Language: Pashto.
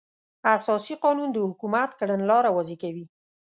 اساسي قانون د حکومت کړنلاره واضح کوي.